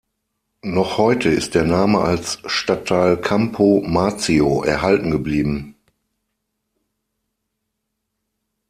Noch heute ist der Name als Stadtteil Campo Marzio erhalten geblieben.